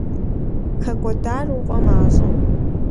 ХэкӀуэдар уфӀэмащӀэ?